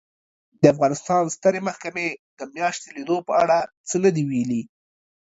د افغانستان سترې محکمې د میاشتې لیدو په اړه څه نه دي ویلي